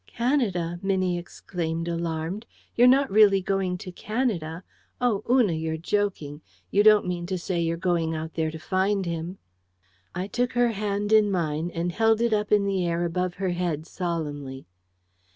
"Canada!" Minnie exclaimed, alarmed. "You're not really going to Canada! Oh, Una, you're joking! You don't mean to say you're going out there to find him!" I took her hand in mine, and held it up in the air above her head solemnly.